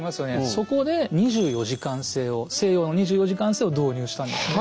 そこで２４時間制を西洋の２４時間制を導入したんですね。